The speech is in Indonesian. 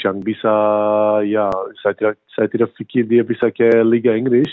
yang bisa ya saya tidak pikir dia bisa ke liga inggris